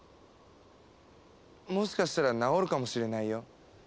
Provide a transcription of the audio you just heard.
もしかしたら治るかもしれないよ。